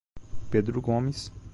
Pedro Gomes